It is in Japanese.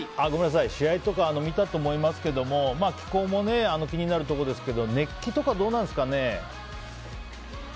試合とか見たと思いますけど気候も気になるところですが熱気とかどうですかね？